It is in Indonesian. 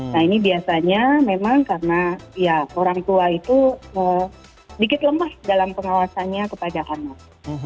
nah ini biasanya memang karena ya orang tua itu sedikit lemah dalam pengawasannya kepada anak